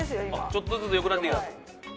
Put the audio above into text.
ちょっとずつ良くなってきた。